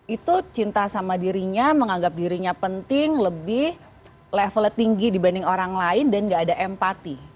itu cinta sama dirinya menganggap dirinya penting lebih levelnya tinggi dibanding orang lain dan gak ada empati